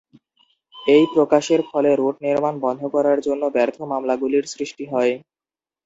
এই প্রকাশের ফলে রুট নির্মাণ বন্ধ করার জন্য ব্যর্থ মামলাগুলির সৃষ্টি হয়।